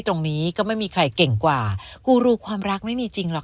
ตรงนี้ก็ไม่มีใครเก่งกว่ากูรูความรักไม่มีจริงหรอก